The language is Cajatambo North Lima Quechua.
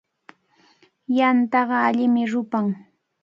Yantaqa allimi rupan.